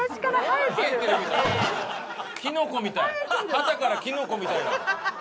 肩からキノコみたいだ。